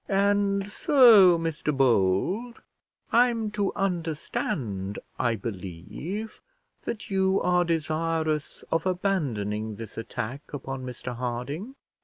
"And so, Mr Bold, I'm to understand, I believe, that you are desirous of abandoning this attack upon Mr Harding."